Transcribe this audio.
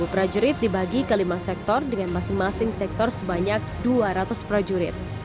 dua puluh prajurit dibagi ke lima sektor dengan masing masing sektor sebanyak dua ratus prajurit